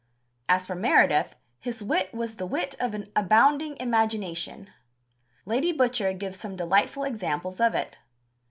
As for Meredith, his wit was the wit of an abounding imagination. Lady Butcher gives some delightful examples of it.